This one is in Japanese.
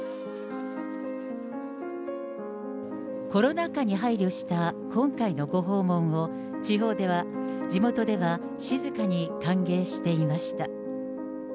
コロナ禍に配慮した今回のご訪問を、地元では静かに歓迎していました。